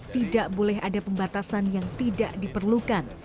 tidak boleh ada pembatasan yang tidak diperlukan